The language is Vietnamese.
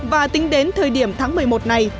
và tính đến thời điểm tháng một mươi một này